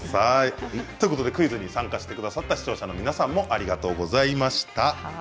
クイズに参加してくださった視聴者の皆さんもありがとうございました。